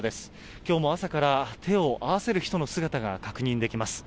きょうも朝から手を合わせる人の姿が確認できます。